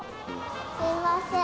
すいません。